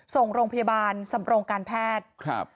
ส่งโรงพยาบาลสำโรงการแพทย์